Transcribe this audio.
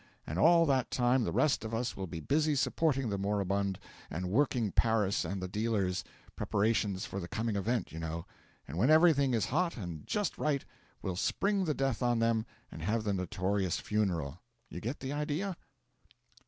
And all that time the rest of us will be busy supporting the moribund, and working Paris and the dealers preparations for the coming event, you know; and when everything is hot and just right, we'll spring the death on them and have the notorious funeral. You get the idea?"